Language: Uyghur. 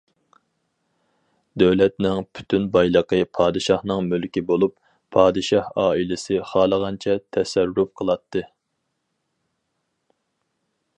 دۆلەتنىڭ پۈتۈن بايلىقى پادىشاھنىڭ مۈلكى بولۇپ، پادىشاھ ئائىلىسى خالىغانچە تەسەررۇپ قىلاتتى.